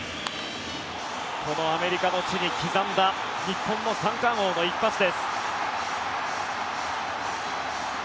このアメリカの地に刻んだ日本の三冠王の一発です。